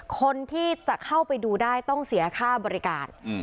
คนที่จะเข้าไปดูได้ต้องเสียค่าบริการ